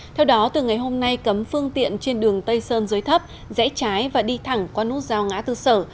theo đó từ ngày hôm nay cấm phương tiện trên đường tây sơn dưới thấp rẽ trái và đi thẳng qua nút giao ngã tư sở